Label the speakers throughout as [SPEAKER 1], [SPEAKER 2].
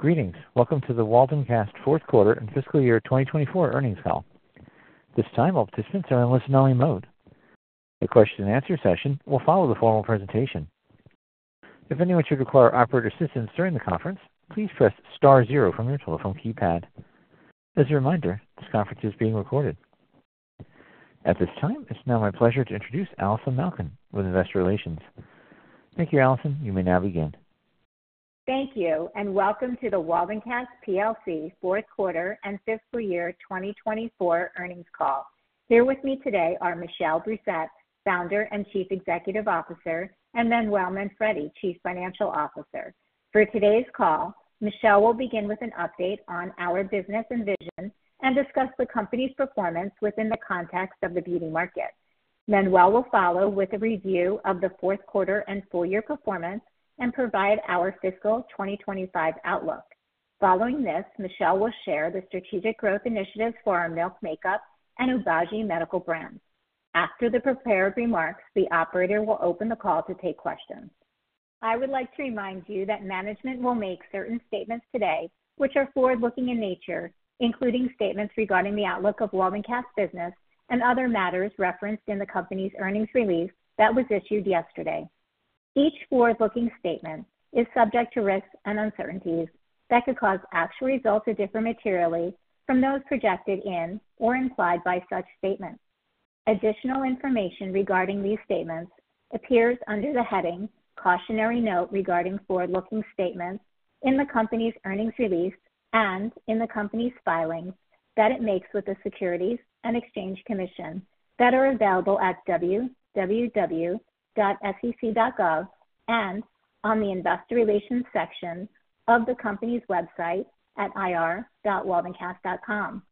[SPEAKER 1] Greetings. Welcome to the Waldencast fourth quarter and fiscal year 2024 earnings call. This time all participants are in listen-only mode. The question-and-answer session will follow the formal presentation. If anyone should require operator assistance during the conference, please press star zero from your telephone keypad. As a reminder, this conference is being recorded. At this time, it's now my pleasure to introduce Allison Malkin with Investor Relations. Thank you, Allison. You may now begin.
[SPEAKER 2] Thank you, and welcome to the Waldencast fourth quarter and fiscal year 2024 earnings call. Here with me today are Michel Brousset, founder and Chief Executive Officer, and Manuel Manfredi, Chief Financial Officer. For today's call, Michel will begin with an update on our business and vision and discuss the company's performance within the context of the beauty market. Manuel will follow with a review of the fourth quarter and full-year performance and provide our fiscal 2025 outlook. Following this, Michel will share the strategic growth initiatives for our Milk Makeup and Obagi Medical brands. After the prepared remarks, the operator will open the call to take questions. I would like to remind you that management will make certain statements today which are forward-looking in nature, including statements regarding the outlook of Waldencast business and other matters referenced in the company's earnings release that was issued yesterday. Each forward-looking statement is subject to risks and uncertainties that could cause actual results to differ materially from those projected in or implied by such statements. Additional information regarding these statements appears under the heading "Cautionary Note Regarding Forward-Looking Statements" in the company's earnings release and in the company's filings that it makes with the Securities and Exchange Commission that are available at www.sec.gov and on the Investor Relations section of the company's website at ir.waldencast.com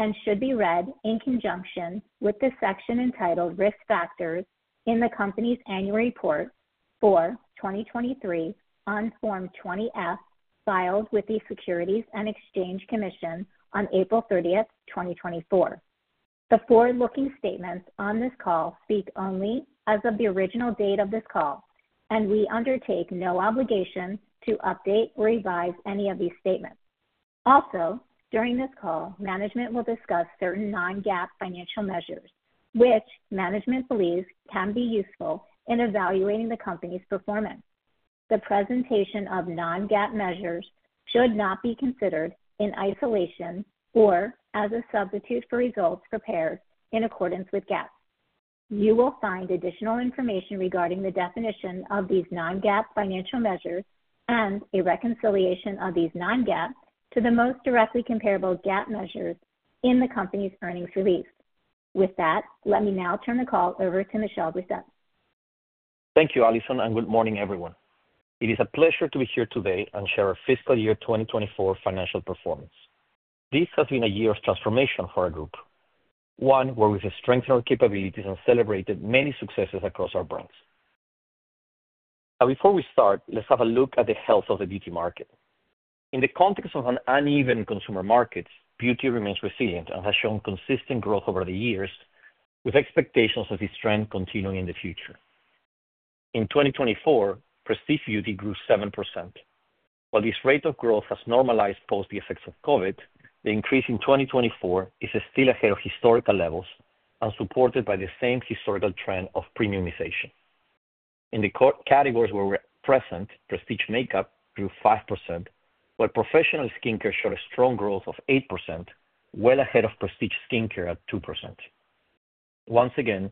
[SPEAKER 2] and should be read in conjunction with the section entitled "Risk Factors" in the company's annual report for 2023 on Form 20-F filed with the Securities and Exchange Commission on April 30th, 2024. The forward-looking statements on this call speak only as of the original date of this call, and we undertake no obligation to update or revise any of these statements. Also, during this call, management will discuss certain Non-GAAP financial measures which management believes can be useful in evaluating the company's performance. The presentation of Non-GAAP measures should not be considered in isolation or as a substitute for results prepared in accordance with GAAP. You will find additional information regarding the definition of these Non-GAAP financial measures and a reconciliation of these Non-GAAP to the most directly comparable GAAP measures in the company's earnings release. With that, let me now turn the call over to Michel Brousset.
[SPEAKER 3] Thank you, Allison, and good morning, everyone. It is a pleasure to be here today and share our fiscal year 2024 financial performance. This has been a year of transformation for our group, one where we've strengthened our capabilities and celebrated many successes across our brands. Now, before we start, let's have a look at the health of the beauty market. In the context of an uneven consumer market, beauty remains resilient and has shown consistent growth over the years, with expectations of this trend continuing in the future. In 2024, prestige beauty grew 7%. While this rate of growth has normalized post the effects of COVID, the increase in 2024 is still ahead of historical levels and supported by the same historical trend of premiumization. In the categories where we're present, prestige makeup grew 5%, while professional skincare showed a strong growth of 8%, well ahead of prestige skincare at 2%. Once again,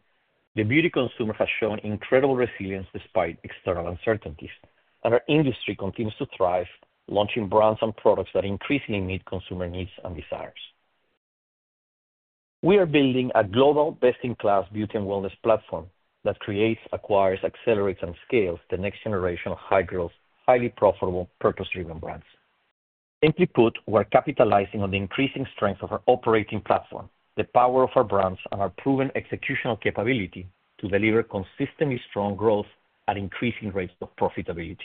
[SPEAKER 3] the beauty consumer has shown incredible resilience despite external uncertainties, and our industry continues to thrive, launching brands and products that increasingly meet consumer needs and desires. We are building a global best-in-class beauty and wellness platform that creates, acquires, accelerates, and scales the next generation of high-growth, highly profitable, purpose-driven brands. Simply put, we are capitalizing on the increasing strength of our operating platform, the power of our brands, and our proven executional capability to deliver consistently strong growth at increasing rates of profitability.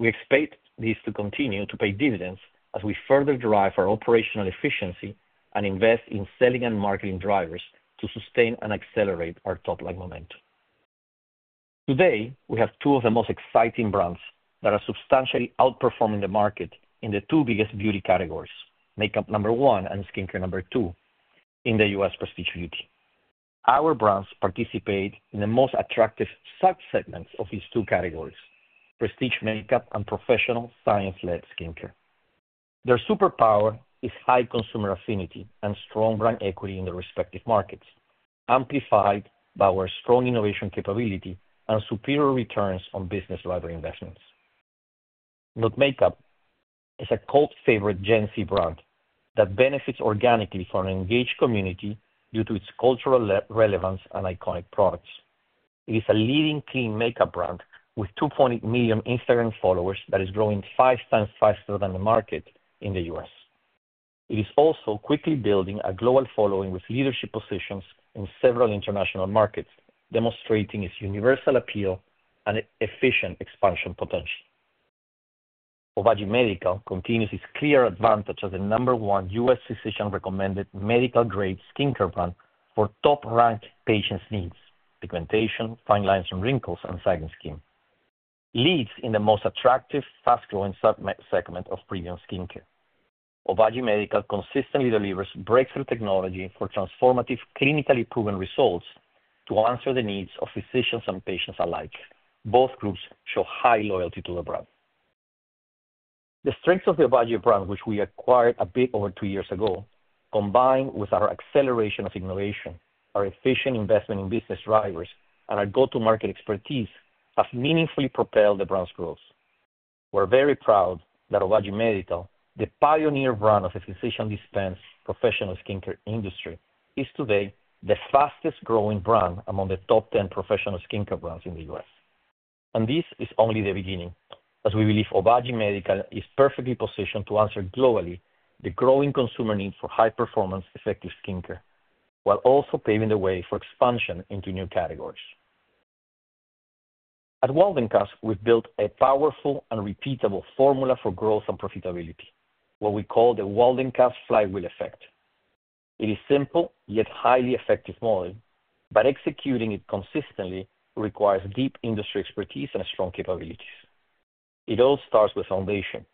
[SPEAKER 3] We expect this to continue to pay dividends as we further drive our operational efficiency and invest in selling and marketing drivers to sustain and accelerate our top-line momentum. Today, we have two of the most exciting brands that are substantially outperforming the market in the two biggest beauty categories: makeup number one and skincare number two in the U.S. prestige beauty. Our brands participate in the most attractive sub-segments of these two categories: prestige makeup and professional science-led skincare. Their superpower is high consumer affinity and strong brand equity in their respective markets, amplified by our strong innovation capability and superior returns on business library investments. Milk Makeup is a cult favorite Gen Z brand that benefits organically from an engaged community due to its cultural relevance and iconic products. It is a leading clean makeup brand with 2.8 million Instagram followers that is growing five times faster than the market in the U.S.. It is also quickly building a global following with leadership positions in several international markets, demonstrating its universal appeal and efficient expansion potential. Obagi Medical continues its clear advantage as the number one U.S. physician-recommended medical-grade skincare brand for top-ranked patients' needs: pigmentation, fine lines, wrinkles, and sagging skin. Leads in the most attractive, fast-growing sub-segment of premium skincare. Obagi Medical consistently delivers breakthrough technology for transformative, clinically proven results to answer the needs of physicians and patients alike. Both groups show high loyalty to the brand. The strengths of the Obagi brand, which we acquired a bit over two years ago, combined with our acceleration of innovation, our efficient investment in business drivers, and our go-to-market expertise, have meaningfully propelled the brand's growth. We're very proud that Obagi Medical, the pioneer brand of the physician-dispensed professional skincare industry, is today the fastest-growing brand among the top 10 professional skincare brands in the U.S.. This is only the beginning, as we believe Obagi Medical is perfectly positioned to answer globally the growing consumer need for high-performance, effective skincare, while also paving the way for expansion into new categories. At Waldencast, we've built a powerful and repeatable formula for growth and profitability, what we call the Waldencast flywheel effect. It is a simple yet highly effective model, but executing it consistently requires deep industry expertise and strong capabilities. It all starts with foundation.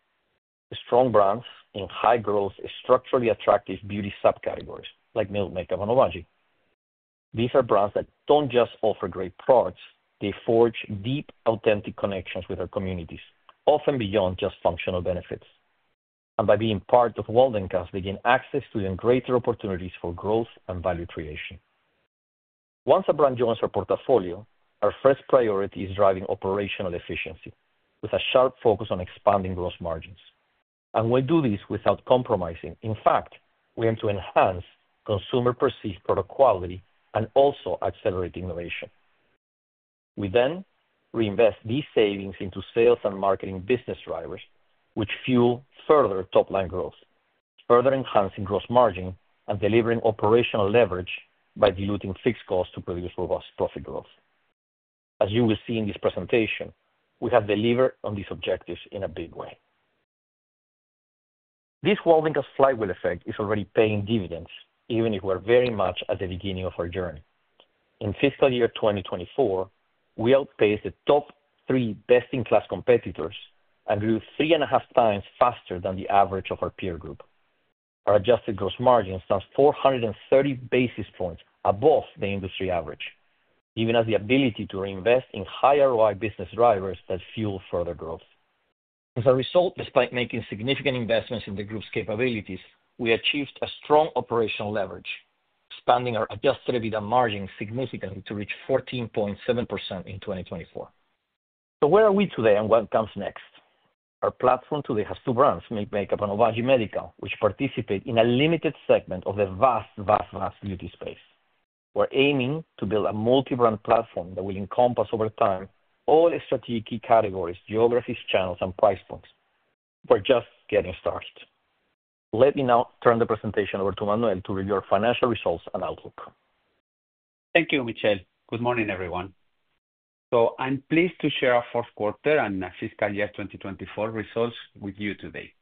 [SPEAKER 3] Strong brands in high-growth, structurally attractive beauty sub-categories like Milk Makeup and Obagi. These are brands that do not just offer great products; they forge deep, authentic connections with our communities, often beyond just functional benefits. By being part of Waldencast, they gain access to even greater opportunities for growth and value creation. Once a brand joins our portfolio, our first priority is driving operational efficiency with a sharp focus on expanding gross margins. We do this without compromising. In fact, we aim to enhance consumer-perceived product quality and also accelerate innovation. We then reinvest these savings into sales and marketing business drivers, which fuel further top-line growth, further enhancing gross margin and delivering operational leverage by diluting fixed costs to produce robust profit growth. As you will see in this presentation, we have delivered on these objectives in a big way. This Waldencast flywheel effect is already paying dividends, even if we're very much at the beginning of our journey. In fiscal year 2024, we outpaced the top three best-in-class competitors and grew three and a half times faster than the average of our peer group. Our adjusted gross margin stands 430 basis points above the industry average, giving us the ability to reinvest in high ROI business drivers that fuel further growth. As a result, despite making significant investments in the group's capabilities, we achieved a strong operational leverage, expanding our Adjusted EBITDA margin significantly to reach 14.7% in 2024. Where are we today and what comes next? Our platform today has two brands: Milk Makeup and Obagi Medical, which participate in a limited segment of the vast, vast, vast beauty space. We're aiming to build a multi-brand platform that will encompass over time all strategic key categories, geographies, channels, and price points. We're just getting started. Let me now turn the presentation over to Manuel to review our financial results and outlook.
[SPEAKER 4] Thank you, Michel. Good morning, everyone. I'm pleased to share our fourth quarter and fiscal year 2024 results with you today.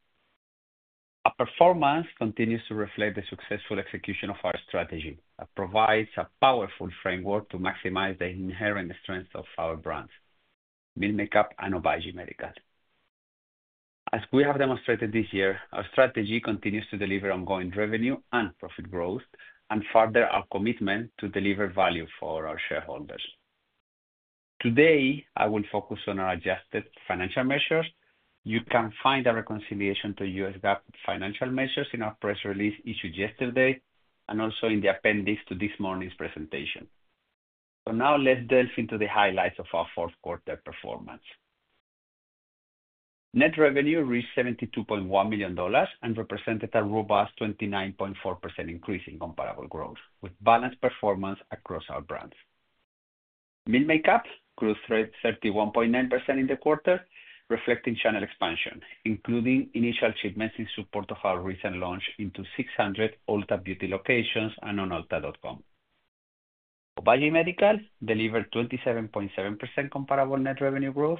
[SPEAKER 4] Our performance continues to reflect the successful execution of our strategy that provides a powerful framework to maximize the inherent strength of our brands: Milk Makeup and Obagi Medical. As we have demonstrated this year, our strategy continues to deliver ongoing revenue and profit growth and further our commitment to deliver value for our shareholders. Today, I will focus on our adjusted financial measures. You can find a reconciliation to U.S. GAAP financial measures in our press release issued yesterday and also in the appendix to this morning's presentation. Now let's delve into the highlights of our fourth quarter performance. Net revenue reached $72.1 million and represented a robust 29.4% increase in comparable growth with balanced performance across our brands. Milk Makeup grew 31.9% in the quarter, reflecting channel expansion, including initial achievements in support of our recent launch into 600 Ulta Beauty locations and on Ulta.com. Obagi Medical delivered 27.7% comparable net revenue growth,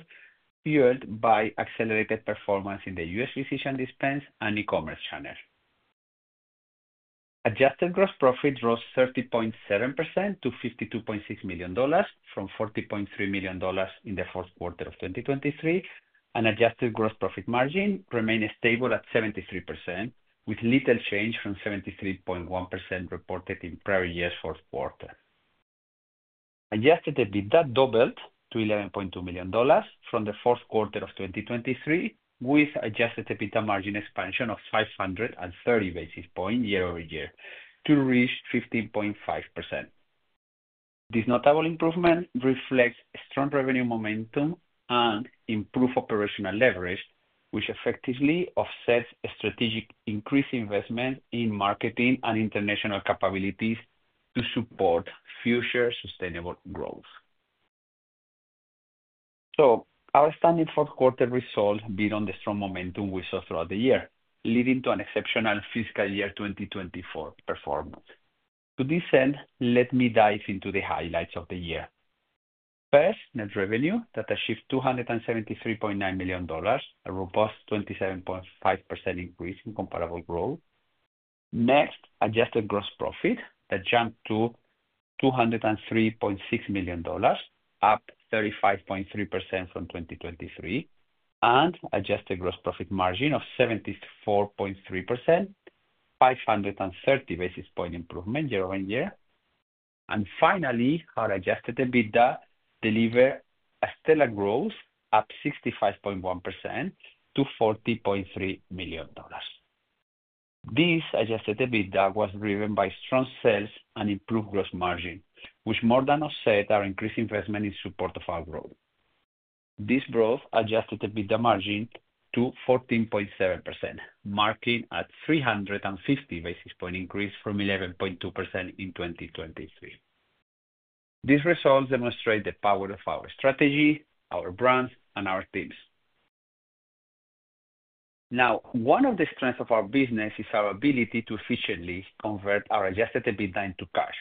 [SPEAKER 4] fueled by accelerated performance in the U.S. physician dispense and e-commerce channel. Adjusted gross profit rose 30.7% to $52.6 million from $40.3 million in the fourth quarter of 2023, and adjusted gross profit margin remained stable at 73%, with little change from 73.1% reported in prior year's fourth quarter. Adjusted EBITDA doubled to $11.2 million from the fourth quarter of 2023, with Adjusted EBITDA margin expansion of 530 basis points year-over-year to reach 15.5%. This notable improvement reflects strong revenue momentum and improved operational leverage, which effectively offsets strategic increased investment in marketing and international capabilities to support future sustainable growth. Our standing fourth quarter result beat on the strong momentum we saw throughout the year, leading to an exceptional fiscal year 2024 performance. To this end, let me dive into the highlights of the year. First, net revenue that achieved $273.9 million, a robust 27.5% increase in comparable growth. Next, adjusted gross profit that jumped to $203.6 million, up 35.3% from 2023, and adjusted gross profit margin of 74.3%, 530 basis point improvement year-over-year. Finally, our Adjusted EBITDA delivered a stellar growth, up 65.1% to $40.3 million. This Adjusted EBITDA was driven by strong sales and improved gross margin, which more than offset our increased investment in support of our growth. This brought Adjusted EBITDA margin to 14.7%, marking a 350 basis point increase from 11.2% in 2023. These results demonstrate the power of our strategy, our brands, and our teams. Now, one of the strengths of our business is our ability to efficiently convert our Adjusted EBITDA into cash.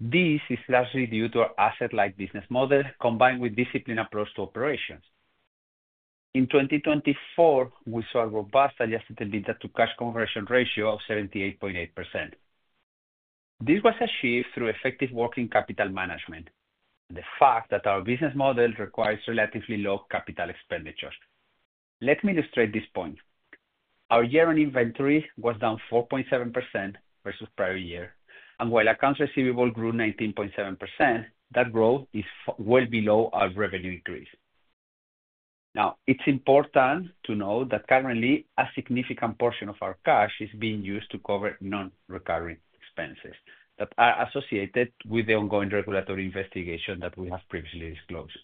[SPEAKER 4] This is largely due to our asset-light business model combined with a disciplined approach to operations. In 2024, we saw a robust Adjusted EBITDA-to-cash conversion ratio of 78.8%. This was achieved through effective working capital management and the fact that our business model requires relatively low capital expenditures. Let me illustrate this point. Our year-on inventory was down 4.7% versus prior year, and while accounts receivable grew 19.7%, that growth is well below our revenue increase. Now, it's important to note that currently, a significant portion of our cash is being used to cover non-recurring expenses that are associated with the ongoing regulatory investigation that we have previously disclosed.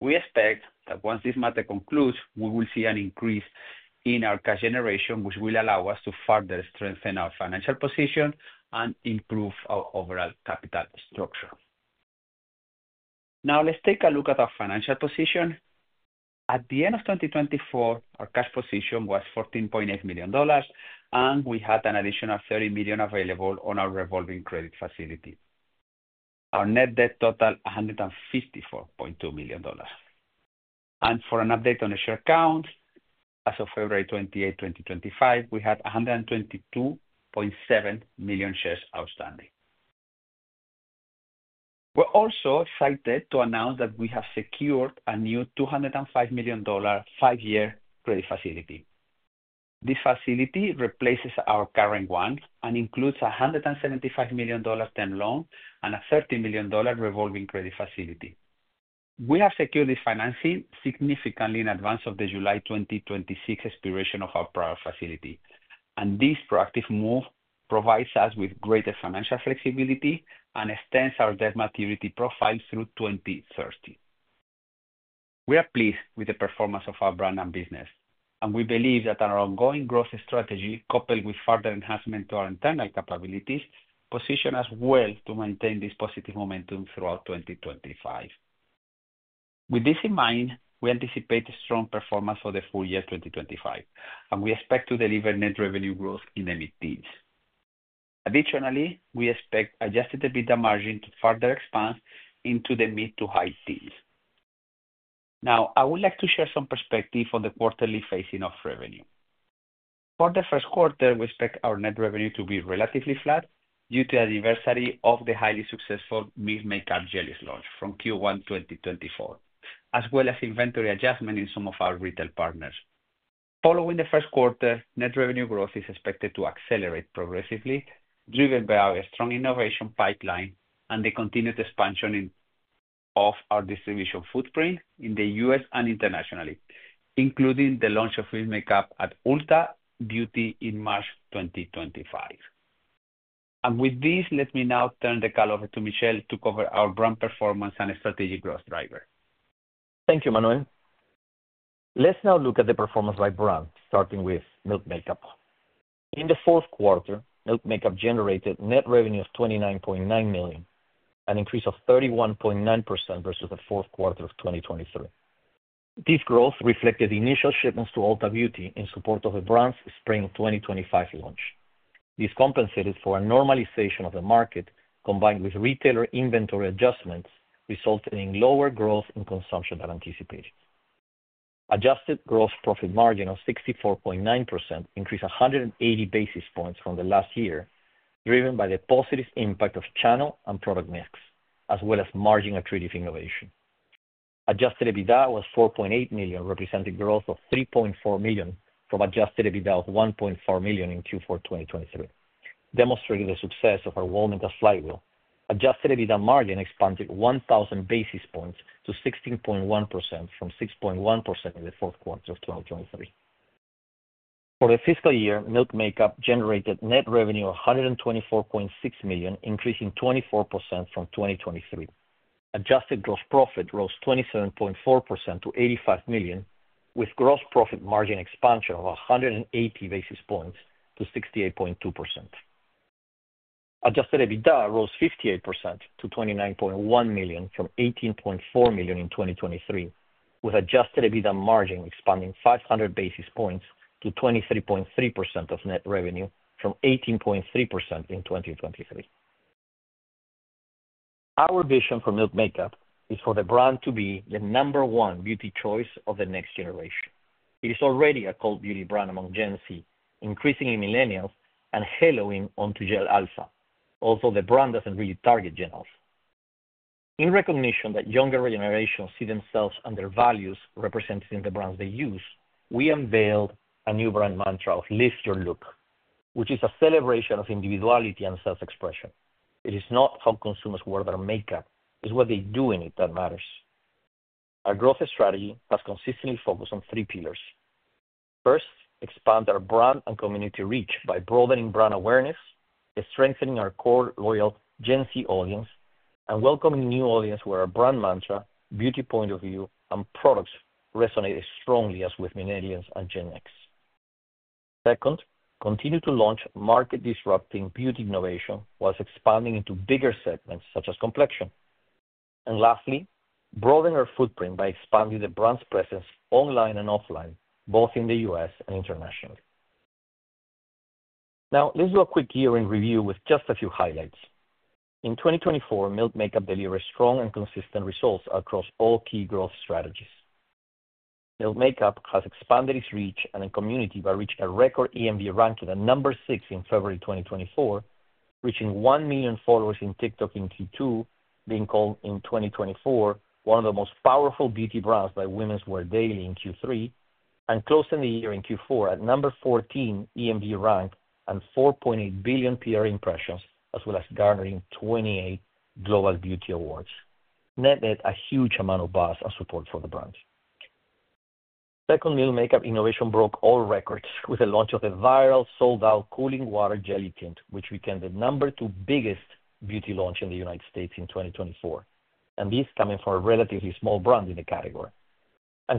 [SPEAKER 4] We expect that once this matter concludes, we will see an increase in our cash generation, which will allow us to further strengthen our financial position and improve our overall capital structure. Now, let's take a look at our financial position. At the end of 2024, our cash position was $14.8 million, and we had an additional $30 million available on our revolving credit facility. Our net debt totaled $154.2 million. For an update on the share counts, as of February 28, 2025, we had 122.7 million shares outstanding. We're also excited to announce that we have secured a new $205 million five-year credit facility. This facility replaces our current one and includes a $175 million term loan and a $30 million revolving credit facility. We have secured this financing significantly in advance of the July 2026 expiration of our prior facility. This proactive move provides us with greater financial flexibility and extends our debt maturity profile through 2030. We are pleased with the performance of our brand and business, and we believe that our ongoing growth strategy, coupled with further enhancement to our internal capabilities, positions us well to maintain this positive momentum throughout 2025. With this in mind, we anticipate strong performance for the full year 2025, and we expect to deliver net revenue growth in the mid-teens. Additionally, we expect Adjusted EBITDA margin to further expand into the mid-to-high teens. Now, I would like to share some perspective on the quarterly phasing of revenue. For the first quarter, we expect our net revenue to be relatively flat due to the anniversary of the highly successful Milk Makeup Jelly's launch from Q1 2024, as well as inventory adjustment in some of our retail partners. Following the first quarter, net revenue growth is expected to accelerate progressively, driven by our strong innovation pipeline and the continued expansion of our distribution footprint in the U.S. and internationally, including the launch of Milk Makeup at Ulta Beauty in March 2025. With this, let me now turn the call over to Michel to cover our brand performance and strategic growth driver.
[SPEAKER 3] Thank you, Manuel. Let's now look at the performance by brand, starting with Milk Makeup. In the fourth quarter, Milk Makeup generated net revenue of $29.9 million, an increase of 31.9% versus the fourth quarter of 2023. This growth reflected the initial shipments to Ulta Beauty in support of the brand's spring 2025 launch. This compensated for a normalization of the market, combined with retailer inventory adjustments, resulting in lower growth in consumption than anticipated. Adjusted gross profit margin of 64.9% increased 180 basis points from last year, driven by the positive impact of channel and product mix, as well as margin-attributive innovation. Adjusted EBITDA was $4.8 million, representing growth of $3.4 million from Adjusted EBITDA of $1.4 million in Q4 2023, demonstrating the success of our Waldencast flywheel. Adjusted EBITDA margin expanded 1,000 basis points to 16.1% from 6.1% in the fourth quarter of 2023. For the fiscal year, Milk Makeup generated net revenue of $124.6 million, increasing 24% from 2023. Adjusted gross profit rose 27.4% to $85 million, with gross profit margin expansion of 180 basis points to 68.2%. Adjusted EBITDA rose 58% to $29.1 million from $18.4 million in 2023, with Adjusted EBITDA margin expanding 500 basis points to 23.3% of net revenue from 18.3% in 2023. Our vision for Milk Makeup is for the brand to be the number one beauty choice of the next generation. It is already a cult beauty brand among Gen Z, increasingly Millennials, and hailing onto Gen Alpha, although the brand does not really target Gen Alpha. In recognition that younger generations see themselves and their values represented in the brands they use, we unveiled a new brand mantra of "Live Your Look," which is a celebration of individuality and self-expression. It is not how consumers wear their makeup; it's what they do in it that matters. Our growth strategy has consistently focused on three pillars. First, expand our brand and community reach by broadening brand awareness, strengthening our core loyal Gen Z audience, and welcoming new audiences where our brand mantra, beauty point of view, and products resonate strongly as with Millennials and Gen X. Second, continue to launch market-disrupting beauty innovation while expanding into bigger segments such as complexion. Lastly, broaden our footprint by expanding the brand's presence online and offline, both in the U.S. and internationally. Now, let's do a quick year-end review with just a few highlights. In 2024, Milk Makeup delivered strong and consistent results across all key growth strategies. Milk Makeup has expanded its reach and community by reaching a record EMV ranking at number six in February 2024, reaching 1 million followers in TikTok in Q2, being called in 2024 one of the most powerful beauty brands by Women's Wear Daily in Q3, and closing the year in Q4 at number 14 EMV rank and 4.8 billion PR impressions, as well as garnering 28 global beauty awards. Net-net a huge amount of buzz and support for the brand. Second, Milk Makeup innovation broke all records with the launch of the viral sold-out Cooling Water Jelly Tint, which became the number two biggest beauty launch in the United States in 2024, and this coming from a relatively small brand in the category.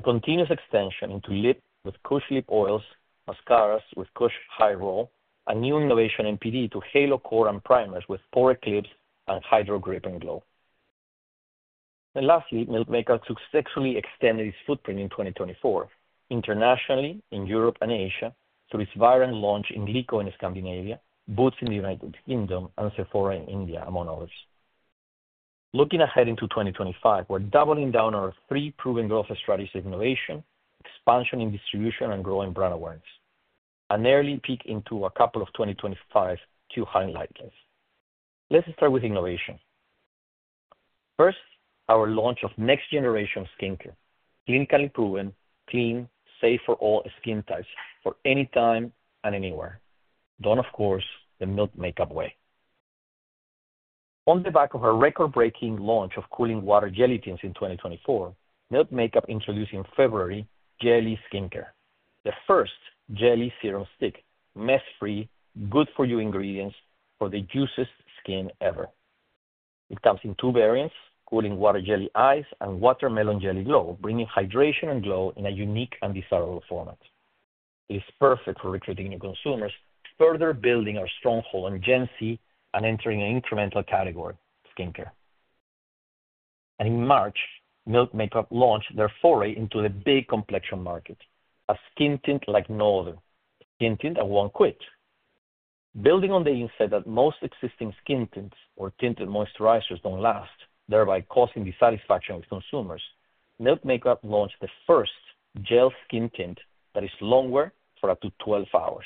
[SPEAKER 3] Continuous extension into lip with Kush Lip Oils, mascaras with Kush High Roll, a new innovation NPD to halo core, and primers with Pore Eclipse and Hydro Grip and Glow. Lastly, Milk Makeup successfully extended its footprint in 2024 internationally in Europe and Asia through its viral launch in Lyko in Scandinavia, Boots in the United Kingdom, and Sephora in India, among others. Looking ahead into 2025, we're doubling down on our three proven growth strategies of innovation, expansion in distribution, and growing brand awareness, and nearly peaking into a couple of 2025 Q highlights. Let's start with innovation. First, our launch of next-generation skincare, clinically proven, clean, safe for all skin types for any time and anywhere, done, of course, the Milk Makeup way. On the back of a record-breaking launch of Cooling Water Jelly Tint in 2024, Milk Makeup introduced in February Jelly Skincare, the first jelly serum stick, mess-free, good-for-you ingredients for the juiciest skin ever. It comes in two variants, Cooling Water Jelly Eyes and Watermelon Jelly Glow, bringing hydration and glow in a unique and desirable format. It is perfect for recruiting new consumers, further building our stronghold on Gen Z and entering an incremental category, skincare. In March, Milk Makeup launched their foray into the big complexion market, a skin tint like no other, skin tint that won't quit. Building on the insight that most existing skin tints or tinted moisturizers don't last, thereby causing dissatisfaction with consumers, Milk Makeup launched the first gel skin tint that is long-wear for up to 12 hours.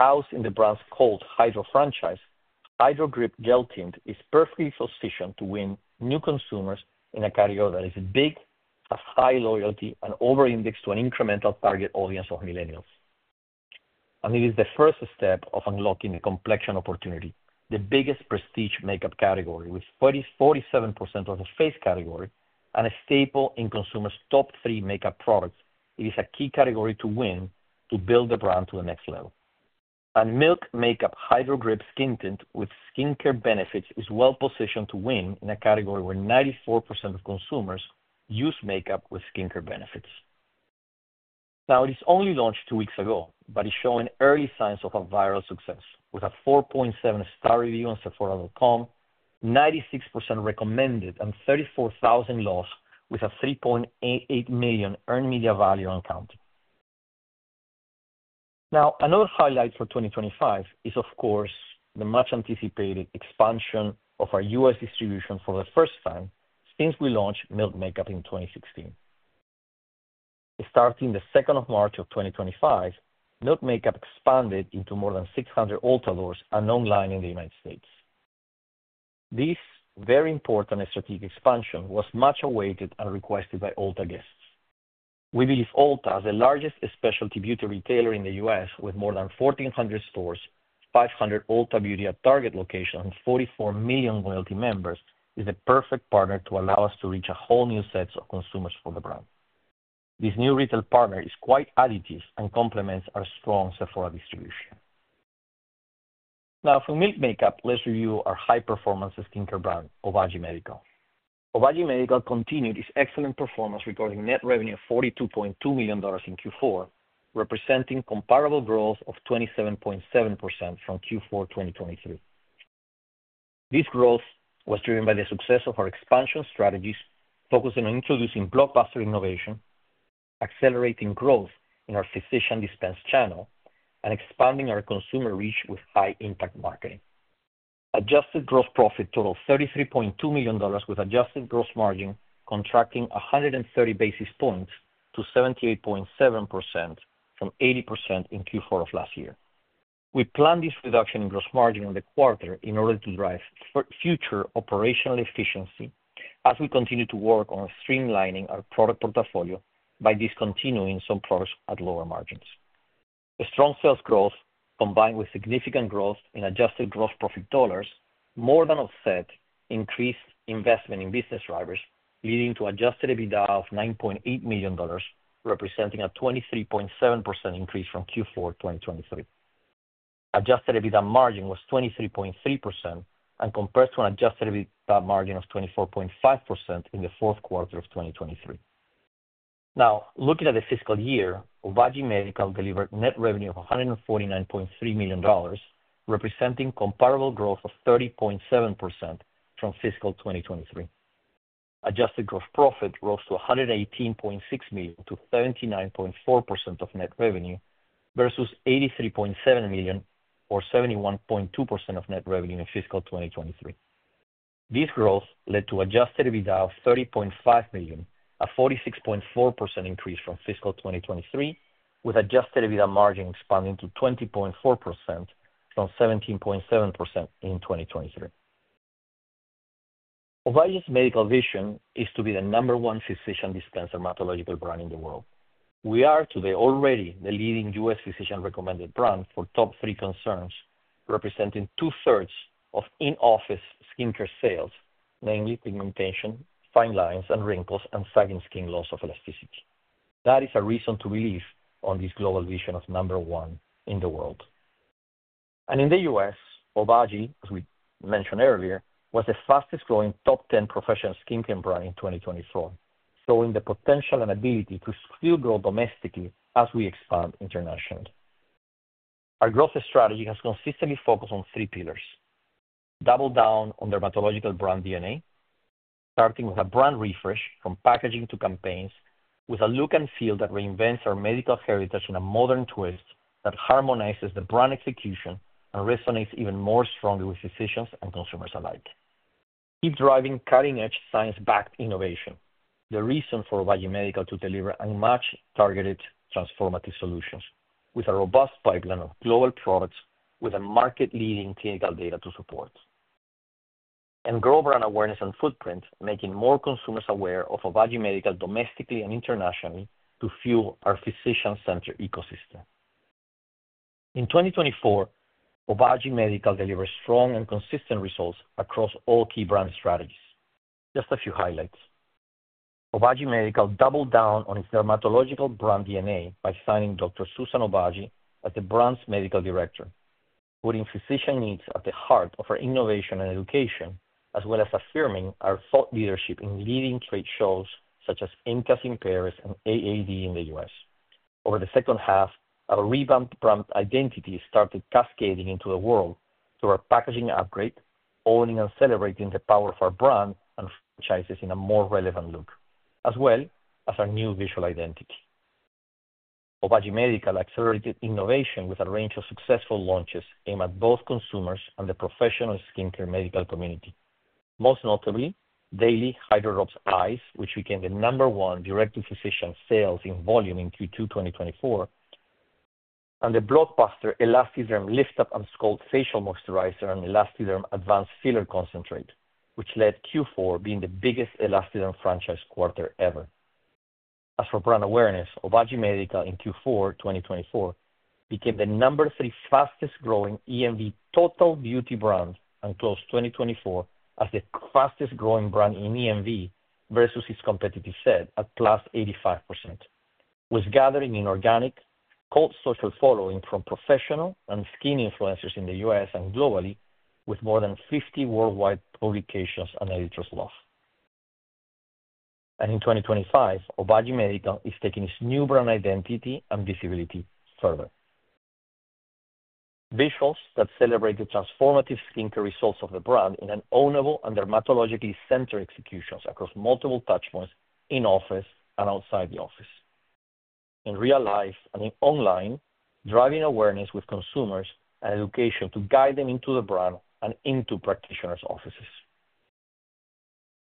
[SPEAKER 3] Housed in the brand's cult Hydro franchise, Hydro Grip Gel Tint is perfectly sufficient to win new consumers in a category that is big, has high loyalty, and over-indexed to an incremental target audience of Millennials. It is the first step of unlocking the complexion opportunity, the biggest prestige makeup category with 47% of the face category and a staple in consumers' top three makeup products. It is a key category to win to build the brand to the next level. Milk Makeup Hydro Grip Gel Skin Tint with skincare benefits is well-positioned to win in a category where 94% of consumers use makeup with skincare benefits. Now, it is only launched two weeks ago, but it's showing early signs of a viral success with a 4.7-star review on Sephora.com, 96% recommended, and 34,000 sold with a $3.88 million earned media value on count. Now, another highlight for 2025 is, of course, the much-anticipated expansion of our U.S. distribution for the first time since we launched Milk Makeup in 2016. Starting the 2nd of March of 2025, Milk Makeup expanded into more than 600 Ulta Beauty stores and online in the United States. This very important and strategic expansion was much awaited and requested by Ulta guests. We believe Ulta is the largest specialty beauty retailer in the U.S. with more than 1,400 stores, 500 Ulta Beauty at Target locations, and 44 million loyalty members, is the perfect partner to allow us to reach a whole new set of consumers for the brand. This new retail partner is quite additive and complements our strong Sephora distribution. Now, for Milk Makeup, let's review our high-performance skincare brand, Obagi Medical. Obagi Medical continued its excellent performance, recording net revenue of $42.2 million in Q4, representing comparable growth of 27.7% from Q4 2023. This growth was driven by the success of our expansion strategies, focusing on introducing blockbuster innovation, accelerating growth in our physician dispense channel, and expanding our consumer reach with high-impact marketing. Adjusted gross profit totaled $33.2 million with adjusted gross margin contracting 130 basis points to 78.7% from 80% in Q4 of last year. We planned this reduction in gross margin in the quarter in order to drive future operational efficiency as we continue to work on streamlining our product portfolio by discontinuing some products at lower margins. Strong sales growth, combined with significant growth in adjusted gross profit dollars, more than offset, increased investment in business drivers, leading to Adjusted EBITDA of $9.8 million, representing a 23.7% increase from Q4 2023. Adjusted EBITDA margin was 23.3% and compared to an Adjusted EBITDA margin of 24.5% in the fourth quarter of 2023. Now, looking at the fiscal year, Obagi Medical delivered net revenue of $149.3 million, representing comparable growth of 30.7% from fiscal 2023. Adjusted gross profit rose to $118.6 million to 79.4% of net revenue versus $83.7 million or 71.2% of net revenue in fiscal 2023. This growth led to Adjusted EBITDA of $30.5 million, a 46.4% increase from fiscal 2023, with Adjusted EBITDA margin expanding to 20.4% from 17.7% in 2023. Obagi Medical's vision is to be the number one physician dispenser dermatological brand in the world. We are today already the leading U.S. physician-recommended brand for top three concerns, representing two-thirds of in-office skincare sales, namely pigmentation, fine lines, and wrinkles, and sagging skin loss of elasticity. That is a reason to believe on this global vision of number one in the world. In the U.S., Obagi, as we mentioned earlier, was the fastest-growing top 10 professional skincare brand in 2024, showing the potential and ability to still grow domestically as we expand internationally. Our growth strategy has consistently focused on three pillars: double down on dermatological brand DNA, starting with a brand refresh from packaging to campaigns, with a look and feel that reinvents our medical heritage in a modern twist that harmonizes the brand execution and resonates even more strongly with physicians and consumers alike. Keep driving cutting-edge science-backed innovation, the reason for Obagi Medical to deliver and much-targeted transformative solutions with a robust pipeline of global products with a market-leading clinical data to support. Grow brand awareness and footprint, making more consumers aware of Obagi Medical domestically and internationally to fuel our physician-centered ecosystem. In 2024, Obagi Medical delivered strong and consistent results across all key brand strategies. Just a few highlights. Obagi Medical doubled down on its dermatological brand DNA by signing Dr. Suzan Obagi as the brand's Medical Director, putting physician needs at the heart of our innovation and education, as well as affirming our thought leadership in leading trade shows such as IMCAS in Paris and AAD in the U.S. Over the second half, our revamped brand identity started cascading into the world through our packaging upgrade, honing and celebrating the power of our brand and franchises in a more relevant look, as well as our new visual identity. Obagi Medical accelerated innovation with a range of successful launches aimed at both consumers and the professional skincare medical community, most notably Daily Hydro-Drops Eyes, which became the number one direct-to-physician sales in volume in Q2 2024, and the blockbuster ELASTIderm Lift Up & Sculpt Facial Moisturizer and ELASTIderm Advanced Filler Concentrate, which led Q4 being the biggest ELASTIderm franchise quarter ever. As for brand awareness, Obagi Medical in Q4 2024 became the number three fastest-growing EMV total beauty brand and closed 2024 as the fastest-growing brand in EMV versus its competitive set at +85%, with gathering in organic cult social following from professional and skin influencers in the U.S. and globally, with more than 50 worldwide publications and editors' love. In 2025, Obagi Medical is taking its new brand identity and visibility further. Visuals that celebrate the transformative skincare results of the brand in an ownable and dermatologically centered execution across multiple touchpoints in office and outside the office. In real life and online, driving awareness with consumers and education to guide them into the brand and into practitioners' offices.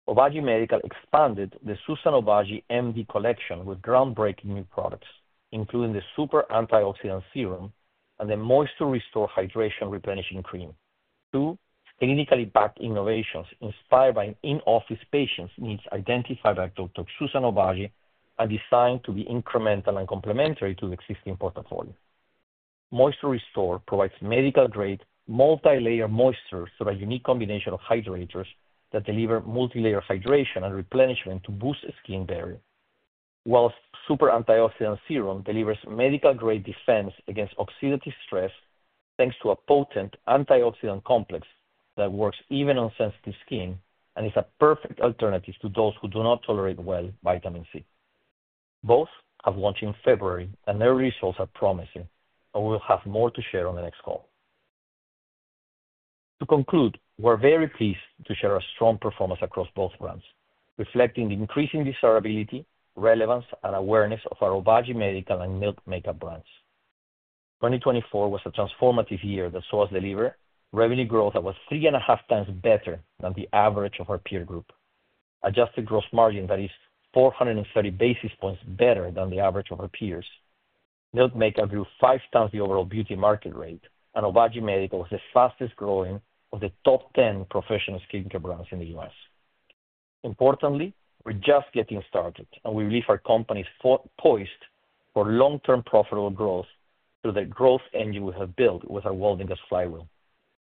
[SPEAKER 3] Obagi Medical expanded the Suzan Obagi MD Collection with groundbreaking new products, including the Super Antioxidant Serum and the Moisture Restore Hydration Replenishing Cream. Two clinically backed innovations inspired by in-office patients' needs identified by Dr. Suzan Obagi and designed to be incremental and complementary to the existing portfolio. Moisture Restore provides medical-grade multi-layer moisture through a unique combination of hydrators that deliver multi-layer hydration and replenishment to boost skin barrier, whilst Super Antioxidant Serum delivers medical-grade defense against oxidative stress thanks to a potent antioxidant complex that works even on sensitive skin and is a perfect alternative to those who do not tolerate well vitamin C. Both have launched in February, and their results are promising, but we'll have more to share on the next call. To conclude, we're very pleased to share our strong performance across both brands, reflecting the increasing desirability, relevance, and awareness of our Obagi Medical and Milk Makeup brands. 2024 was a transformative year that saw us deliver revenue growth that was three and a half times better than the average of our peer group, adjusted gross margin that is 430 basis points better than the average of our peers. Milk Makeup grew five times the overall beauty market rate, and Obagi Medical was the fastest-growing of the top 10 professional skincare brands in the U.S.. Importantly, we're just getting started, and we believe our company is poised for long-term profitable growth through the growth engine we have built with our Waldencast Flywheel.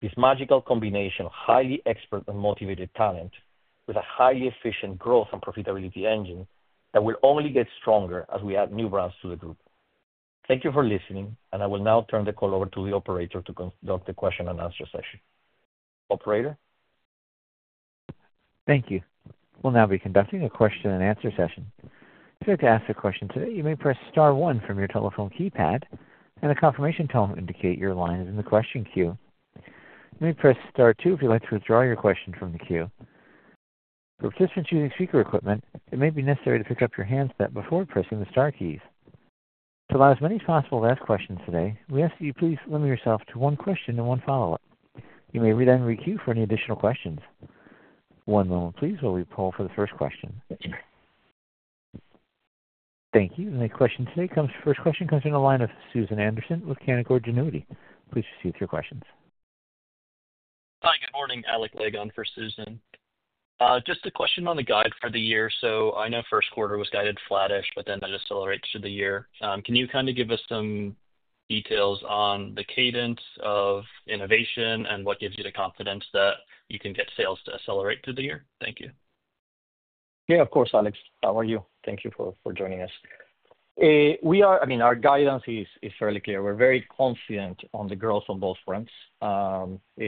[SPEAKER 3] This magical combination of highly expert and motivated talent with a highly efficient growth and profitability engine that will only get stronger as we add new brands to the group. Thank you for listening, and I will now turn the call over to the operator to conduct the question-and-answer session. Operator.
[SPEAKER 1] Thank you. We'll now be conducting a question-and-answer session. If you'd like to ask a question today, you may press Star one from your telephone keypad, and a confirmation tone will indicate your line is in the question queue. You may press Star two if you'd like to withdraw your question from the queue. For participants using speaker equipment, it may be necessary to pick up your handset before pressing the Star keys. To allow as many as possible to ask questions today, we ask that you please limit yourself to one question and one follow-up. You may then re-queue for any additional questions. One moment, please, while we poll for the first question. Thank you. The next question today comes—first question comes in the line of Suzan Anderson with Canaccord Genuity. Please proceed with your questions.
[SPEAKER 5] Hi, good morning. Alec Legg on for Suzan. Just a question on the guide for the year. I know first quarter was guided flattish, but then that accelerates through the year. Can you kind of give us some details on the cadence of innovation and what gives you the confidence that you can get sales to accelerate through the year? Thank you.
[SPEAKER 3] Yeah, of course, Alec. How are you? Thank you for joining us. I mean, our guidance is fairly clear. We're very confident on the growth on both fronts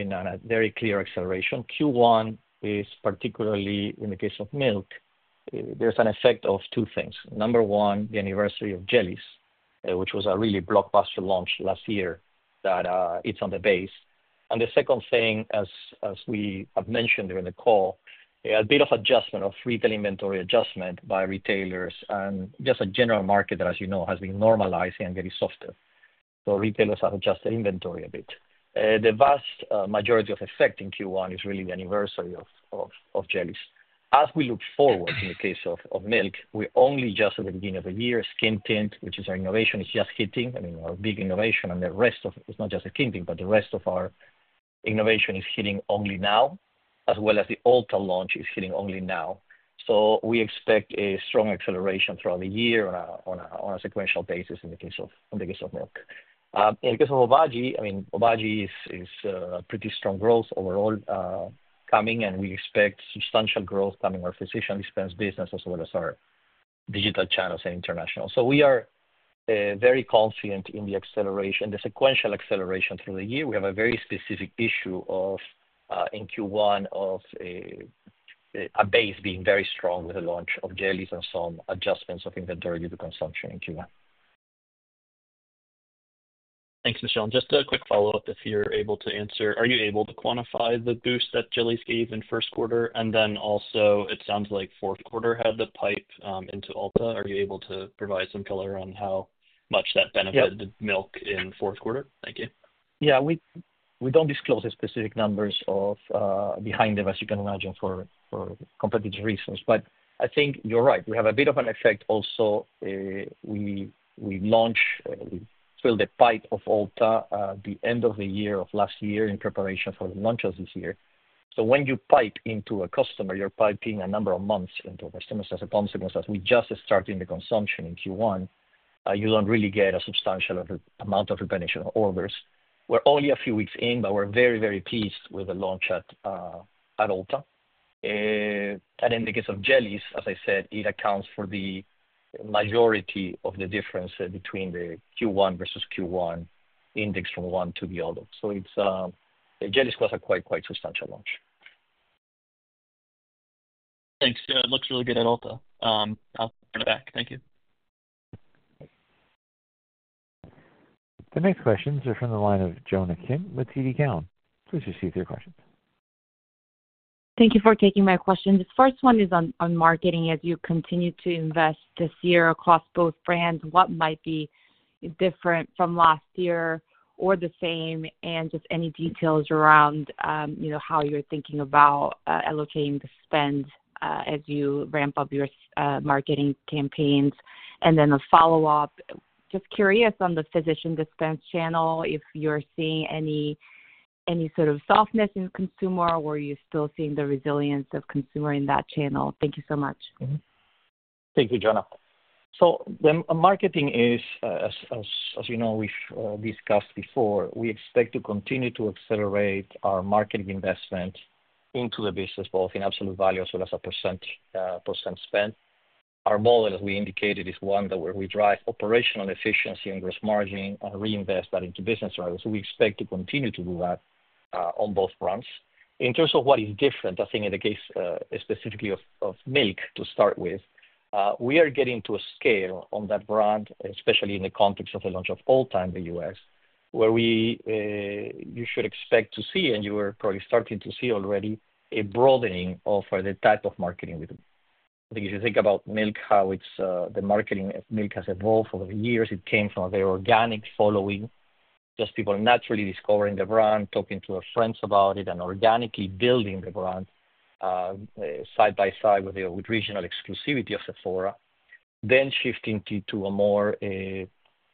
[SPEAKER 3] in a very clear acceleration. Q1 is particularly, in the case of Milk, there's an effect of two things. Number one, the anniversary of Jelly's, which was a really blockbuster launch last year that hits on the base. The second thing, as we have mentioned during the call, a bit of adjustment of retail inventory adjustment by retailers and just a general market that, as you know, has been normalizing and getting softer. Retailers have adjusted inventory a bit. The vast majority of effect in Q1 is really the anniversary of Jelly's. As we look forward, in the case of milk, we're only just at the beginning of the year. Skin tint, which is our innovation, is just hitting. I mean, our big innovation, and the rest of—it's not just the skin tint, but the rest of our innovation is hitting only now, as well as the Ulta launch is hitting only now. We expect a strong acceleration throughout the year on a sequential basis in the case of milk. In the case of Obagi, I mean, Obagi is a pretty strong growth overall coming, and we expect substantial growth coming in our physician dispense business as well as our digital channels and international. We are very confident in the acceleration, the sequential acceleration through the year. We have a very specific issue in Q1 of a base being very strong with the launch of Jelly's and some adjustments of inventory due to consumption in Q1.
[SPEAKER 5] Thanks, Michel. Just a quick follow-up, if you're able to answer, are you able to quantify the boost that Jelly's gave in first quarter? Also, it sounds like fourth quarter had the pipe into Ulta. Are you able to provide some color on how much that benefited milk in fourth quarter? Thank you.
[SPEAKER 3] Yeah, we don't disclose the specific numbers behind them, as you can imagine, for competitive reasons. I think you're right. We have a bit of an effect also. We filled the pipe of Ulta at the end of the year of last year in preparation for the launch of this year. When you pipe into a customer, you're piping a number of months into a customer as a consequence. As we just started in the consumption in Q1, you don't really get a substantial amount of replenishment orders. We're only a few weeks in, but we're very, very pleased with the launch at Ulta. In the case of Jelly's, as I said, it accounts for the majority of the difference between the Q1 versus Q1 index from one to the other. Jelly's was a quite, quite substantial launch.
[SPEAKER 5] Thanks. It looks really good at Ulta. I'll turn it back. Thank you.
[SPEAKER 1] The next questions are from the line of Jonna Kim with TD Cowen. Please proceed with your questions.
[SPEAKER 6] Thank you for taking my questions. The first one is on marketing. As you continue to invest this year across both brands, what might be different from last year or the same, and just any details around how you're thinking about allocating the spend as you ramp up your marketing campaigns? A follow-up, just curious on the physician dispense channel, if you're seeing any sort of softness in consumer or you're still seeing the resilience of consumer in that channel. Thank you so much.
[SPEAKER 3] Thank you, Jonna. Marketing is, as you know, we've discussed before, we expect to continue to accelerate our marketing investment into the business, both in absolute value as well as a percent spend. Our model, as we indicated, is one where we drive operational efficiency and gross margin and reinvest that into business. We expect to continue to do that on both fronts. In terms of what is different, I think in the case specifically of Milk to start with, we are getting to a scale on that brand, especially in the context of the launch of Ulta in the U.S., where you should expect to see, and you are probably starting to see already, a broadening of the type of marketing with. I think if you think about Milk, how the marketing of Milk has evolved over the years, it came from a very organic following, just people naturally discovering the brand, talking to their friends about it, and organically building the brand side by side with regional exclusivity of Sephora, then shifting to a more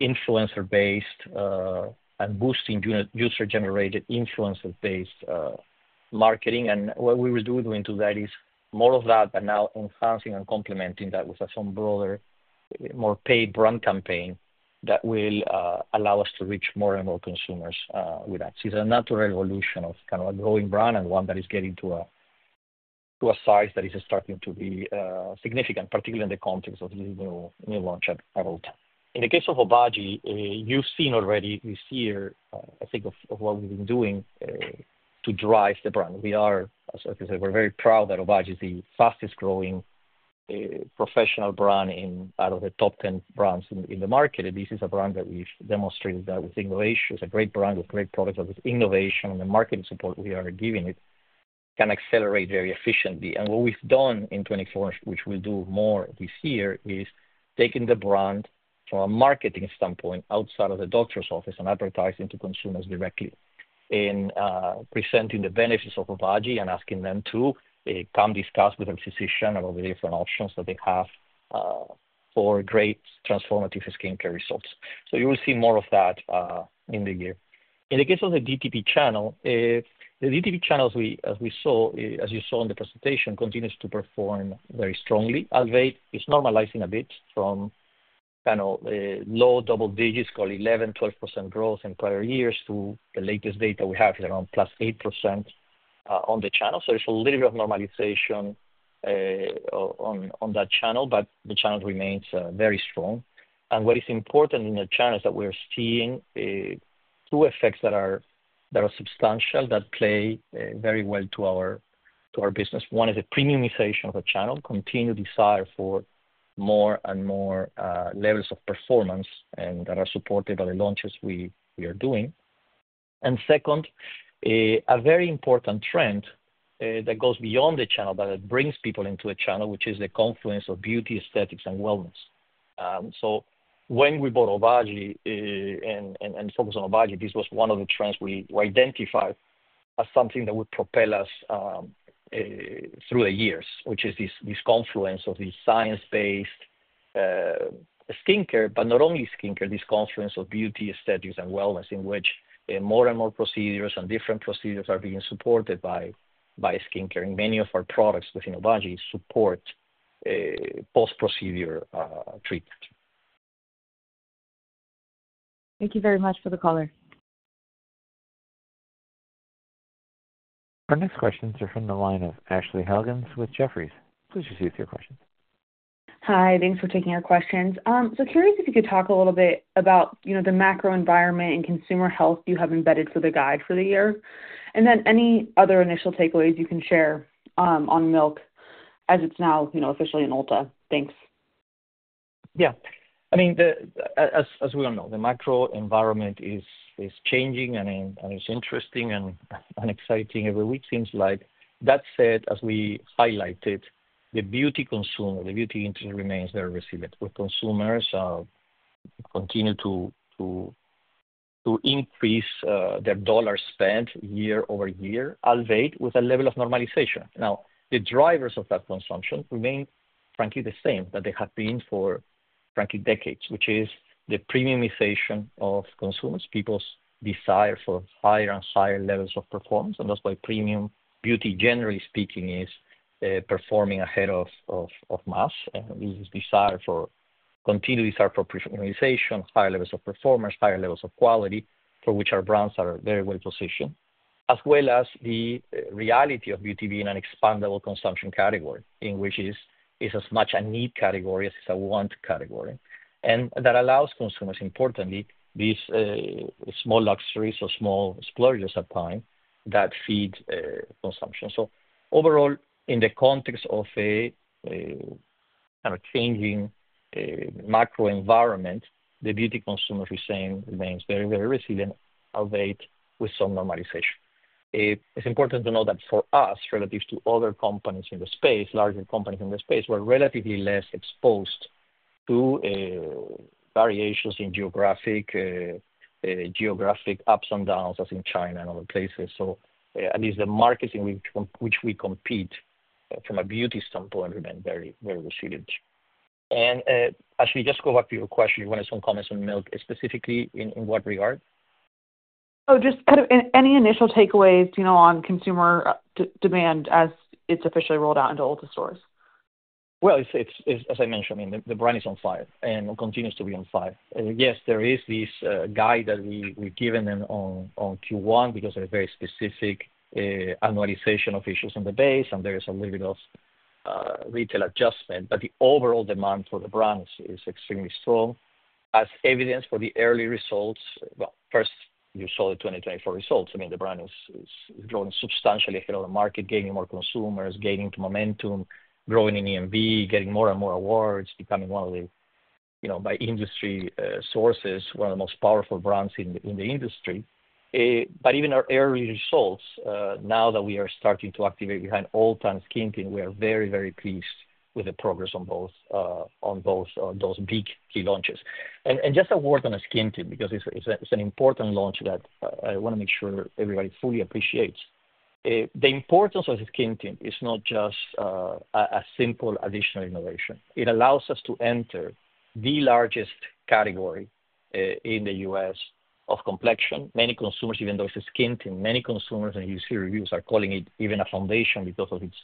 [SPEAKER 3] influencer-based and boosting user-generated influencer-based marketing. What we will do to do that is more of that, but now enhancing and complementing that with some broader, more paid brand campaign that will allow us to reach more and more consumers with that. It is a natural evolution of kind of a growing brand and one that is getting to a size that is starting to be significant, particularly in the context of this new launch at Ulta. In the case of Obagi, you have seen already this year, I think, of what we have been doing to drive the brand. We are, as I said, we are very proud that Obagi is the fastest-growing professional brand out of the top 10 brands in the market. This is a brand that we have demonstrated that with innovation. It is a great brand with great products of its innovation, and the marketing support we are giving it can accelerate very efficiently. What we've done in 2024, which we'll do more this year, is taking the brand from a marketing standpoint outside of the doctor's office and advertising to consumers directly and presenting the benefits of Obagi and asking them to come discuss with their physician about the different options that they have for great transformative skincare results. You will see more of that in the year. In the case of the DTP channel, the DTP channel, as we saw in the presentation, continues to perform very strongly. It's normalizing a bit from kind of low double digits, called 11%-12% growth in prior years to the latest data we have is around plus 8% on the channel. There's a little bit of normalization on that channel, but the channel remains very strong. What is important in the channel is that we're seeing two effects that are substantial that play very well to our business. One is the premiumization of the channel, continued desire for more and more levels of performance that are supported by the launches we are doing. Second, a very important trend that goes beyond the channel, but it brings people into the channel, which is the confluence of beauty, aesthetics, and wellness. When we bought Obagi and focused on Obagi, this was one of the trends we identified as something that would propel us through the years, which is this confluence of the science-based skincare, but not only skincare, this confluence of beauty, aesthetics, and wellness in which more and more procedures and different procedures are being supported by skincare. Many of our products within Obagi support post-procedure treatment.
[SPEAKER 6] Thank you very much for the color.
[SPEAKER 1] Our next questions are from the line of Ashley Helgans with Jefferies. Please proceed with your questions.
[SPEAKER 7] Hi. Thanks for taking our questions. Curious if you could talk a little bit about the macro environment and consumer health you have embedded for the guide for the year, and then any other initial takeaways you can share on Milk as it's now officially in Ulta. Thanks.
[SPEAKER 3] Yeah. I mean, as we all know, the macro environment is changing, and it's interesting and exciting every week. Seems like that said, as we highlighted, the beauty consumer, the beauty industry remains very resilient. Consumers continue to increase their dollar spent year-over-year, albeit with a level of normalization. Now, the drivers of that consumption remain, frankly, the same that they have been for, frankly, decades, which is the premiumization of consumers, people's desire for higher and higher levels of performance. That is why premium beauty, generally speaking, is performing ahead of mass. This is desire for continued desire for premiumization, higher levels of performance, higher levels of quality, for which our brands are very well positioned, as well as the reality of beauty being an expandable consumption category in which it's as much a need category as it's a want category. That allows consumers, importantly, these small luxuries or small splurges at time that feed consumption. Overall, in the context of a kind of changing macro environment, the beauty consumer remains very, very resilient, albeit with some normalization. It's important to note that for us, relative to other companies in the space, larger companies in the space, we're relatively less exposed to variations in geographic ups and downs as in China and other places. At least the markets in which we compete from a beauty standpoint remain very, very resilient. Ashley, just go back to your question. You wanted some comments on Milk, specifically in what regard?
[SPEAKER 7] Oh, just kind of any initial takeaways on consumer demand as it's officially rolled out into Ulta stores?
[SPEAKER 3] As I mentioned, I mean, the brand is on fire and continues to be on fire. Yes, there is this guide that we've given them on Q1 because there's very specific annualization of issues in the base, and there is a little bit of retail adjustment. The overall demand for the brand is extremely strong, as evidenced for the early results. First, you saw the 2024 results. I mean, the brand is growing substantially ahead of the market, gaining more consumers, gaining momentum, growing in EMV, getting more and more awards, becoming one of the, by industry sources, one of the most powerful brands in the industry. Even our early results, now that we are starting to activate behind all-time skin tint, we are very, very pleased with the progress on those big key launches. Just a word on the skin tint, because it's an important launch that I want to make sure everybody fully appreciates. The importance of the skin tint is not just a simple additional innovation. It allows us to enter the largest category in the U.S. of complexion. Many consumers, even though it's a skin tint, many consumers and you see reviews are calling it even a foundation because of its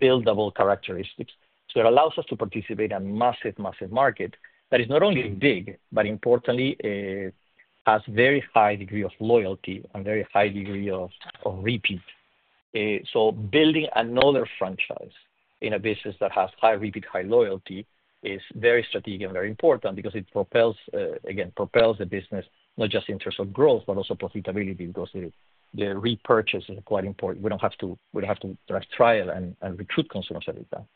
[SPEAKER 3] buildable characteristics. It allows us to participate in a massive, massive market that is not only big, but importantly, has a very high degree of loyalty and a very high degree of repeat. Building another franchise in a business that has high repeat, high loyalty is very strategic and very important because it, again, propels the business not just in terms of growth, but also profitability because the repurchase is quite important. We don't have to drive trial and recruit consumers every time.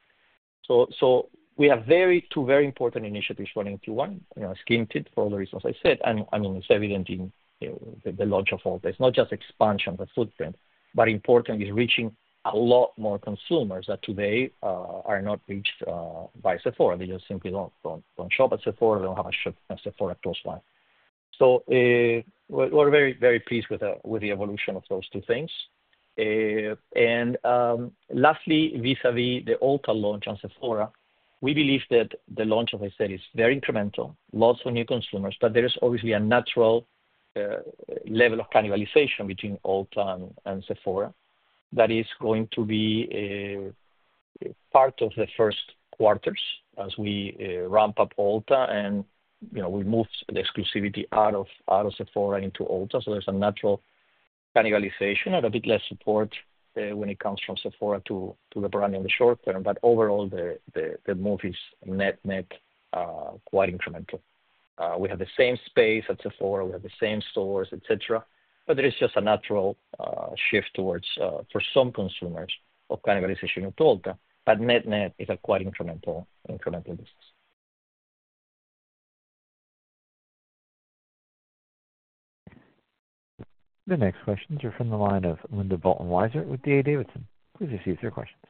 [SPEAKER 3] We have two very important initiatives running Q1, skin tint, for all the reasons I said. I mean, it's evident in the launch of Ulta. It's not just expansion of the footprint, but important is reaching a lot more consumers that today are not reached by Sephora. They just simply don't shop at Sephora. They don't have a Sephora, of course, one. We're very, very pleased with the evolution of those two things. Lastly, vis-à-vis the Ulta launch on Sephora, we believe that the launch, as I said, is very incremental, lots of new consumers, but there is obviously a natural level of cannibalization between Ulta and Sephora that is going to be part of the first quarters as we ramp up Ulta and we move the exclusivity out of Sephora into Ulta. There's a natural cannibalization and a bit less support when it comes from Sephora to the brand in the short term. Overall, the move is net, net quite incremental. We have the same space at Sephora. We have the same stores, etc. There is just a natural shift towards, for some consumers, of cannibalization of Ulta. Net, net is a quite incremental business.
[SPEAKER 1] The next questions are from the line of Linda Bolton Weiser with D.A. Davidson. Please proceed with your questions.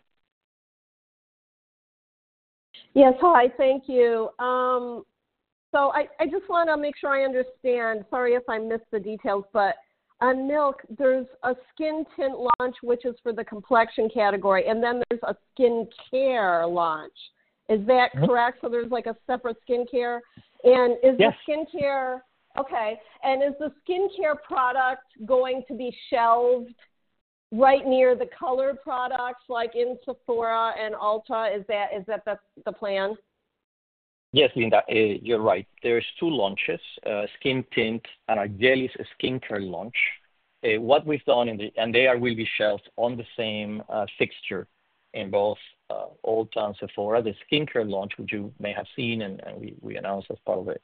[SPEAKER 8] Yes. Hi. Thank you. I just want to make sure I understand. Sorry if I missed the details, but on Milk, there's a skin tint launch, which is for the complexion category, and then there's a skincare launch. Is that correct? There's a separate skincare. Is the skincare okay. Is the skincare product going to be shelved right near the colored products like in Sephora and Ulta? Is that the plan?
[SPEAKER 3] Yes, Linda, you're right. There's two launches, skin tint and a Jelly skincare launch. What we've done, and they will be shelved on the same fixture in both Ulta and Sephora. The skincare launch, which you may have seen and we announced as part of the we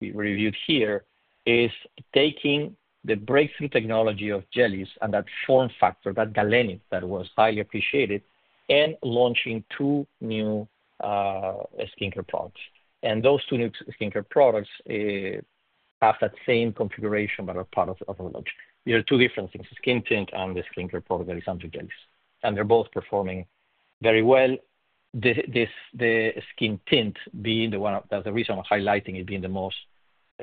[SPEAKER 3] reviewed here, is taking the breakthrough technology of Jellys and that form factor, that galenic that was highly appreciated, and launching two new skincare products. Those two new skincare products have that same configuration that are part of the launch. There are two different things, skin tint and the skincare product that is under Jellys. They're both performing very well. The skin tint being the one that's the reason I'm highlighting it being the most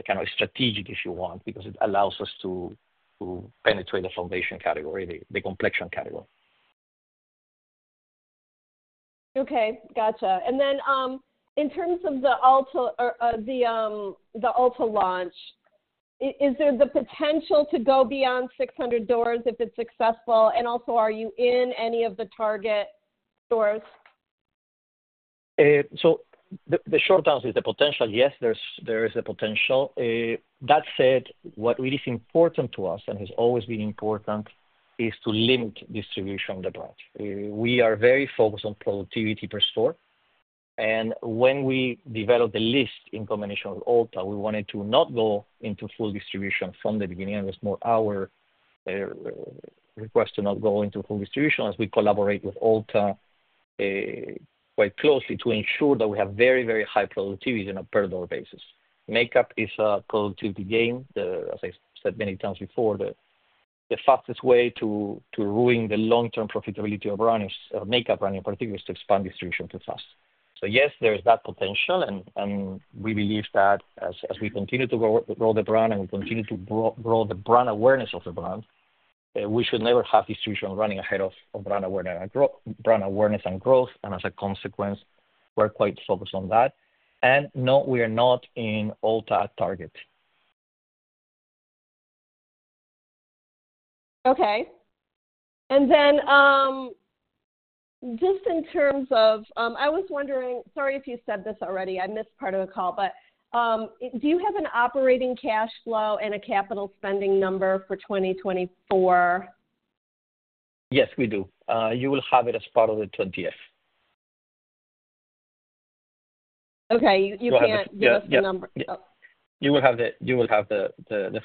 [SPEAKER 3] kind of strategic, if you want, because it allows us to penetrate the foundation category, the complexion category.
[SPEAKER 8] Okay. Gotcha. In terms of the Ulta launch, is there the potential to go beyond 600 doors if it's successful? Are you in any of the Target stores?
[SPEAKER 3] The short answer is the potential. Yes, there is the potential. That said, what really is important to us, and has always been important, is to limit distribution of the brand. We are very focused on productivity per store. When we developed the list in combination with Ulta, we wanted to not go into full distribution from the beginning. It was more our request to not go into full distribution as we collaborate with Ulta quite closely to ensure that we have very, very high productivity on a per-door basis. Makeup is a productivity game. As I said many times before, the fastest way to ruin the long-term profitability of a brand is makeup branding, particularly to expand distribution too fast. Yes, there is that potential. We believe that as we continue to grow the brand and we continue to grow the brand awareness of the brand, we should never have distribution running ahead of brand awareness and growth. As a consequence, we're quite focused on that. No, we are not in Ulta at Target.
[SPEAKER 8] Okay. Just in terms of I was wondering, sorry if you said this already. I missed part of the call, but do you have an operating cash flow and a capital spending number for 2024?
[SPEAKER 3] Yes, we do. You will have it as part of the 20-F.
[SPEAKER 8] Okay. You can't give us the number.
[SPEAKER 3] You will have the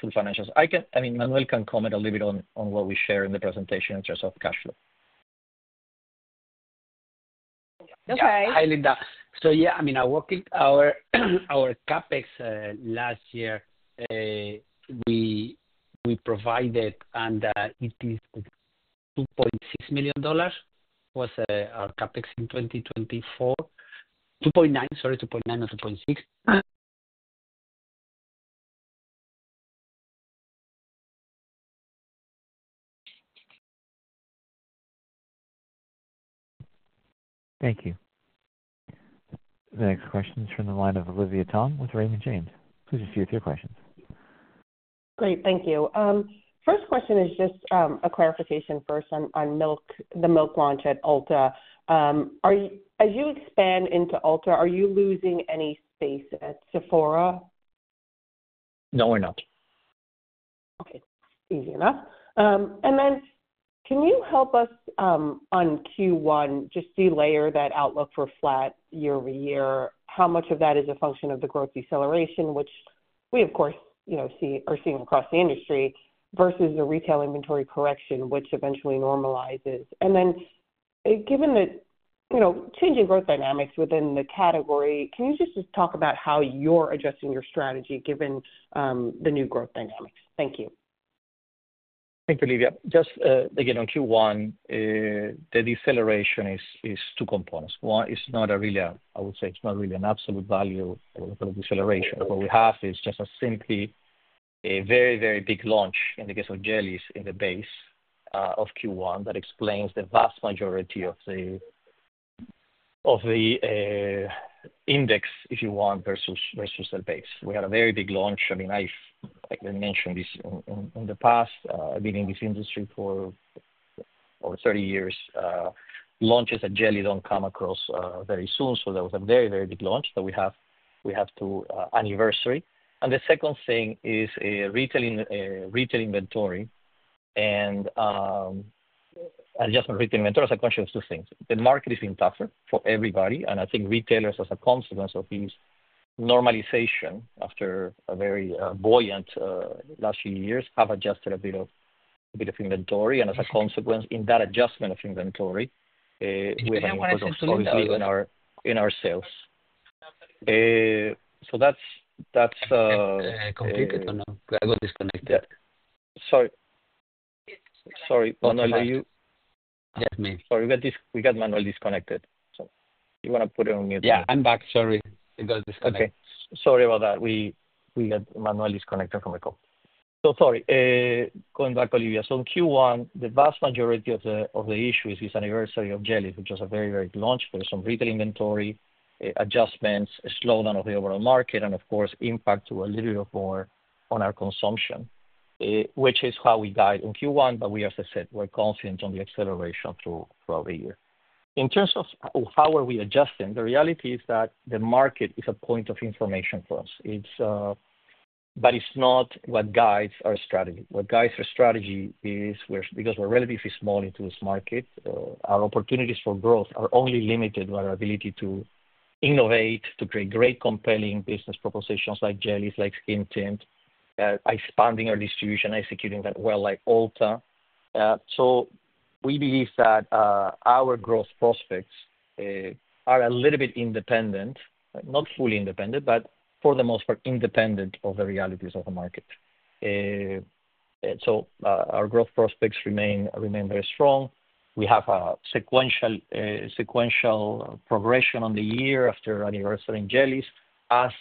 [SPEAKER 3] full financials. I mean, Manuel can comment a little bit on what we share in the presentation in terms of cash flow.
[SPEAKER 4] Yeah. Hi, Linda. Yeah, I mean, our CAPEX last year, we provided, and it is $2.6 million was our CAPEX in 2024. $2.9, sorry, $2.9 or $2.6.
[SPEAKER 1] Thank you. The next question is from the line of Olivia Tong with Raymond James. Please proceed with your questions.
[SPEAKER 9] Great. Thank you. First question is just a clarification first on the Milk launch at Ulta. As you expand into Ulta, are you losing any space at Sephora?
[SPEAKER 3] No, we're not.
[SPEAKER 9] Okay. Easy enough. And then can you help us on Q1, just delayer that outlook for flat year-over-year? How much of that is a function of the growth deceleration, which we, of course, are seeing across the industry, versus the retail inventory correction, which eventually normalizes? And then given the changing growth dynamics within the category, can you just talk about how you're adjusting your strategy given the new growth dynamics? Thank you.
[SPEAKER 3] Thank you, Olivia. Just again, on Q1, the deceleration is two components. One is not really, I would say, it's not really an absolute value of deceleration. What we have is just a simply very, very big launch in the case of Jellys in the base of Q1 that explains the vast majority of the index, if you want, versus the base. We had a very big launch. I mean, I've mentioned this in the past. I've been in this industry for over 30 years. Launches like Jellys don't come across very soon. There was a very, very big launch that we have to anniversary. The second thing is retail inventory and adjustment retail inventory as a consequence of two things. The market is being tougher for everybody. I think retailers, as a consequence of this normalization after a very buoyant last few years, have adjusted a bit of inventory. As a consequence, in that adjustment of inventory, we have a big growth obviously in our sales. That's completed or no?
[SPEAKER 4] I got disconnected. Sorry. Sorry. Manuel. Yes, me? Sorry. We got Manuel disconnected. You want to put it on mute? Yeah, I'm back. Sorry. It got disconnected.
[SPEAKER 3] Okay. Sorry about that. We got Manuel disconnected from the call. Sorry. Going back, Olivia. In Q1, the vast majority of the issues is anniversary of Jellys, which was a very, very big launch. There's some retail inventory adjustments, a slowdown of the overall market, and of course, impact to a little bit more on our consumption, which is how we guide on Q1. As I said, we are confident on the acceleration throughout the year. In terms of how are we adjusting, the reality is that the market is a point of information for us. It is not what guides our strategy. What guides our strategy is because we are relatively small into this market, our opportunities for growth are only limited by our ability to innovate, to create great, compelling business propositions like Jellys, like skin tint, expanding our distribution, executing that well like Ulta. We believe that our growth prospects are a little bit independent, not fully independent, but for the most part, independent of the realities of the market. Our growth prospects remain very strong. We have a sequential progression on the year after anniversarying Jellys as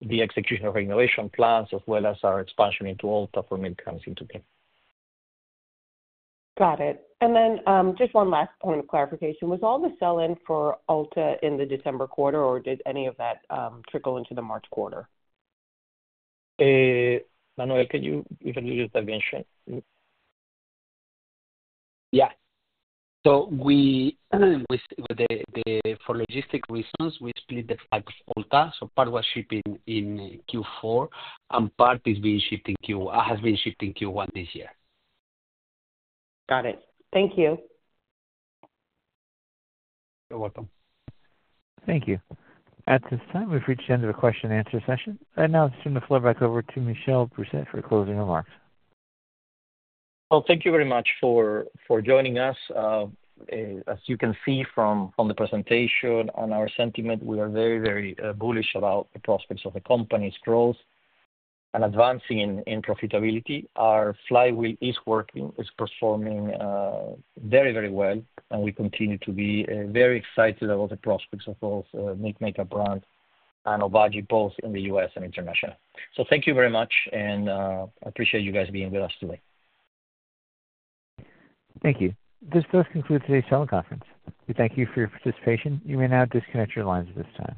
[SPEAKER 3] the execution of our innovation plans as well as our expansion into Ulta for Milk comes into play.
[SPEAKER 9] Got it. Just one last point of clarification. Was all the sell-in for Ulta in the December quarter, or did any of that trickle into the March quarter?
[SPEAKER 3] Manuel, can you use that again?
[SPEAKER 4] Yeah. For logistic reasons, we split the flows of Ulta. Part was shipping in Q4, and part has been shipping Q1 this year.
[SPEAKER 9] Got it. Thank you.
[SPEAKER 3] You're welcome.
[SPEAKER 1] Thank you. At this time, we've reached the end of the question-and-answer session. Now, I'll turn the floor back over to Michel Brousset for closing remarks.
[SPEAKER 3] Thank you very much for joining us. As you can see from the presentation on our sentiment, we are very, very bullish about the prospects of the company's growth and advancing in profitability. Our flywheel is working. It's performing very, very well. We continue to be very excited about the prospects of both Milk Makeup brand and Obagi both in the U.S. and international. Thank you very much, and I appreciate you guys being with us today.
[SPEAKER 1] Thank you. This does conclude today's teleconference. We thank you for your participation. You may now disconnect your lines at this time.